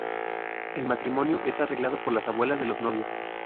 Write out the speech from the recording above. El matrimonio es arreglado por las abuelas de los novios.